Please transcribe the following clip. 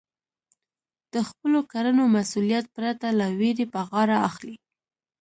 د خپلو کړنو مسؤلیت پرته له وېرې په غاړه اخلئ.